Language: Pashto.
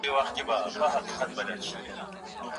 ولي لېواله انسان د هوښیار انسان په پرتله ډېر مخکي ځي؟